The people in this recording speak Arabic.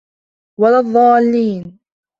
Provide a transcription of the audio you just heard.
وَلَا الضَّالِّينَ